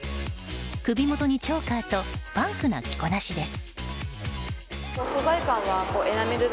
首元にチョーカーとパンクな着こなしです。